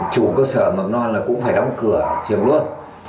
chủ cơ sở mầm non là cũng phải đóng cửa trường luôn